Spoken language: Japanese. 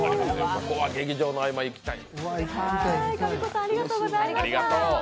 ここは劇場の合間、行きたい。